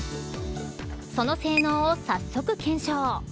その性能を早速検証。